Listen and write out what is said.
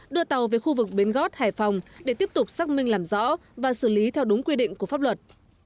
đưa tàu về khu vực bến gót hải phòng để tiếp tục xác minh làm rõ và xử lý theo đúng quy định của pháp luật